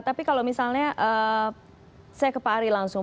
tapi kalau misalnya saya ke pak ari langsung